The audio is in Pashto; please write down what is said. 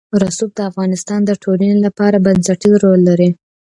رسوب د افغانستان د ټولنې لپاره بنسټيز رول لري.